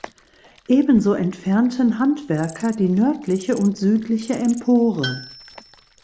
Ebenso entfernten Handwerker die nördliche und südliche Empore.